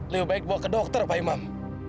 lebih baik bawa ke dokter pak imam